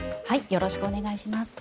よろしくお願いします。